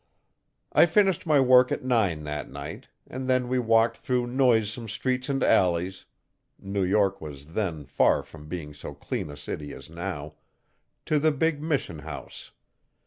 I finished my work at nine that night and then we walked through noisome streets and alleys New York was then far from being so clean a city as now to the big mission house.